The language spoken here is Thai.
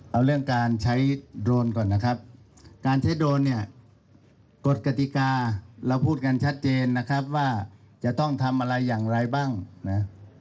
เอาเรื่องการใช้โดรนก่อนนะครับการใช้โดรนเนี่ยกฎกติกาเราพูดกันชัดเจนนะครับว่าจะต้องทำอะไรอย่างไรบ้างนะ